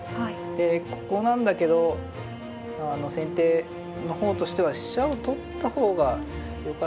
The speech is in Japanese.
ここなんだけど先手の方としては飛車を取った方がよかったかな。